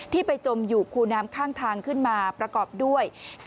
ไปจมอยู่คูน้ำข้างทางขึ้นมาประกอบด้วย